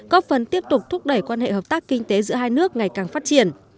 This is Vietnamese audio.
có phần tiếp tục thúc đẩy quan hệ hợp tác kinh tế giữa hai nước ngày càng phát triển